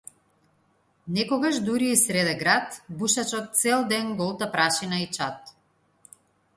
Некогаш дури и среде град бушачот цел ден голта прашина и чад.